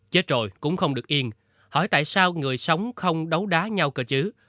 chết rồi cũng không được yên hỏi tại sao người sống không đấu đá nhau cơ chứ